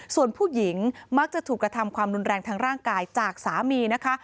ส่วนผู้หญิงมักจะถูกกระทำความรุนแรงทางร่างกายจากสามีนะคะ